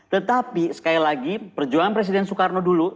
tetapi sekali lagi perjuangan presiden soekarno dulu